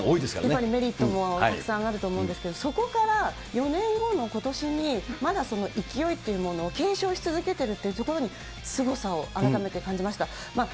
やっぱりメリットもたくさんあると思うんですけれども、そこから４年後のことしに、まだその勢いというものを継承し続けているというところに、すごさを改めて感じました。